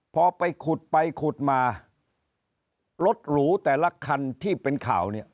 พอไปขุดไปขุดมารถหรูแต่ละคันที่เป็นข่าวเนี่ย